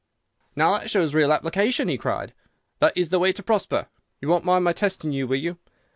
"'Now that shows real application!' he cried. 'That is the way to prosper! You won't mind my testing you, will you?